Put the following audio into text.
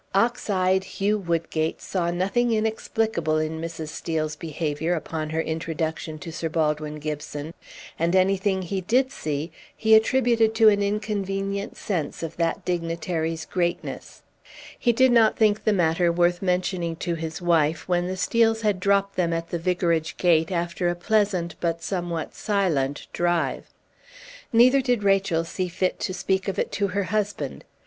Ox eyed Hugh Woodgate saw nothing inexplicable in Mrs. Steel's behavior upon her introduction to Sir Baldwin Gibson, and anything he did see he attributed to an inconvenient sense of that dignitary's greatness. He did not think the matter worth mentioning to his wife, when the Steels had dropped them at the Vicarage gate, after a pleasant but somewhat silent drive. Neither did Rachel see fit to speak of it to her husband.